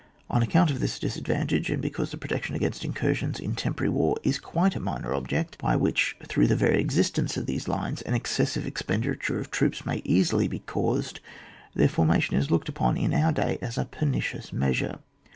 On account of this disadvantage and because the pro tection against incursions in temporary war is quite a minor object, by which through the very existence of these lines an excessive expenditure of troops may easily be caused, their formation is looked upon in our day as a pernicious measure.